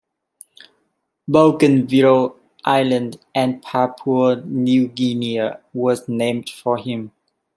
Bougainville Island of Papua New Guinea was named for him.